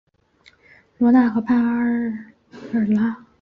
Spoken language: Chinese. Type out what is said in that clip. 罗讷河畔阿尔拉。